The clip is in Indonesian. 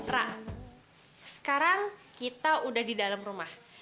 nah sekarang kita udah di dalam rumah